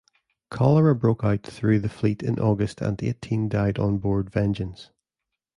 Cholera broke out through the fleet in August and eighteen died on board "Vengeance".